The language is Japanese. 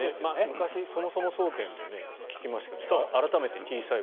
昔、そもそも総研で聞きましたが改めて、Ｔ細胞。